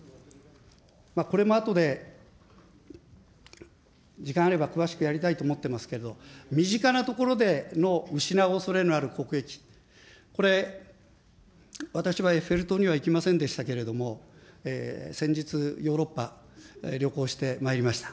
これもあとで時間あれば詳しくやりたいと思ってますけれど、身近なところでの失うおそれのある国益、これ、私はエッフェル塔には行きませんでしたけれども、先日、ヨーロッパ旅行してまいりました。